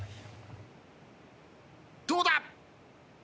どうだ？